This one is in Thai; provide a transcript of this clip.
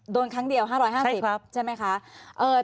โดนครั้งเดียว๕๕๐ใช่ไหมคะใช่ครับ